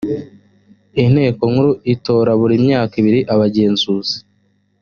inteko nkuru itora buri myaka ibiri abagenzuzi